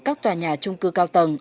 các tòa nhà trung cư cao tầng